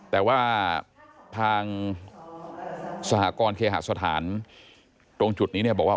แต่ว่าทางสหกรณ์เคหาสถานตรงจุดนี้เนี่ยบอกว่า